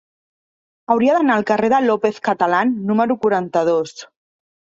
Hauria d'anar al carrer de López Catalán número quaranta-dos.